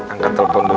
angkat telepon dulu